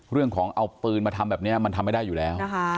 เรื่องของเอาปืนมาทำแบบนี้มันทำไม่ได้อยู่แล้ว